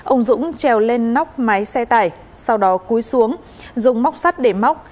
ông dũng trèo lên nóc máy xe tải sau đó cúi xuống dùng móc sắt để móc